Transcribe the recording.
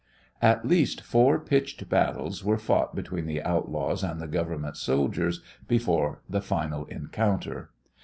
At least four pitched battles were fought between the outlaws and the Government soldiers before the final encounter.